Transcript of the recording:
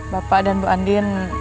bapak dan bu andien